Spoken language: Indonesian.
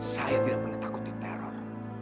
saya tidak pernah takut teror